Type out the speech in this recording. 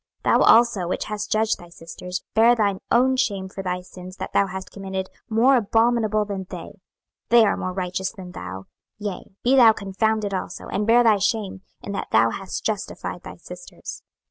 26:016:052 Thou also, which hast judged thy sisters, bear thine own shame for thy sins that thou hast committed more abominable than they: they are more righteous than thou: yea, be thou confounded also, and bear thy shame, in that thou hast justified thy sisters.